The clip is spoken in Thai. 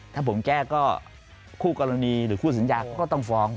ถ้าผมแก้ก็คู่กรณีหรือคู่สัญญาก็ต้องฟ้อง